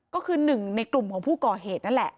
ก็คือหนึ่งในกลุ่มของผู้ก่อเหตุนั่นแหละ